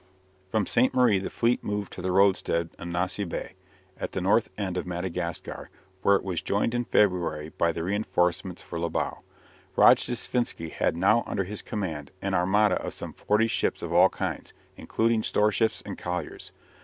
From Ste. Marie the fleet moved to the roadstead of Nossi Bé, at the north end of Madagascar, where it was joined in February by the reinforcements for Libau. Rojdestvensky had now under his command an armada of some forty ships of all kinds, including storeships and colliers.